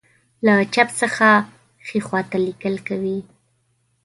له چپ څخه ښی خواته لیکل کوي.